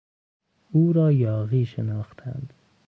او را یاغی شناختند.